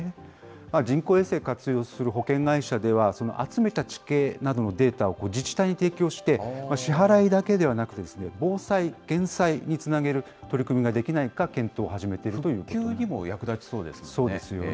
人工衛星活用する保険会社では、集めた地形などのデータを自治体に提供して、支払いだけではなくて、防災減災につなげる取り組みができないか検討を始めているという復旧にも役立ちそうですね。